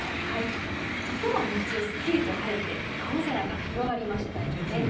きょうは日中すっきりと晴れて青空が広がりました。